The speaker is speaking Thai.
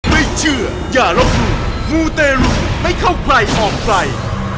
ไม่เชื่ออย่ารบหลุมมูเตรุให้เข้าใกล้ออกไกล